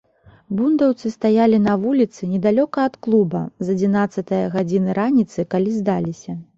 Бундаўцы стаялі на вуліцы, недалёка ад клуба, з адзінаццатае гадзіны раніцы, калі здаліся.